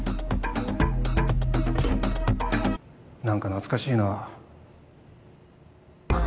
何か懐かしいな。